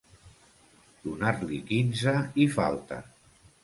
Donar-li quinze i falta.